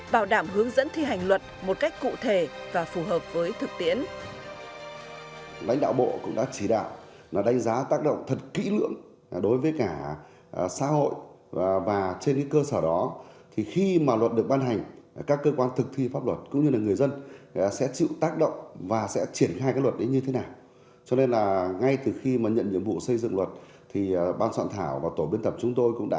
bảo đảm hướng dẫn thi hành luật một cách cụ thể và phù hợp với thực tiễn